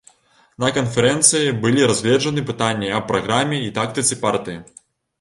На канферэнцыі былі разгледжаны пытанні аб праграме і тактыцы партыі.